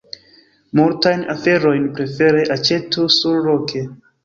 Multajn aferojn prefere aĉetu surloke.